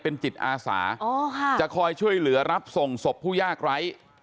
เป็นจิตอาสาจะคอยช่วยเหลือรับส่งศพผู้ยากไร้